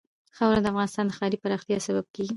خاوره د افغانستان د ښاري پراختیا سبب کېږي.